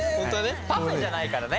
パフェじゃないからね！